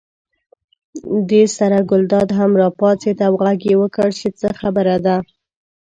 دې سره ګلداد هم راپاڅېد او غږ یې وکړ چې څه خبره ده.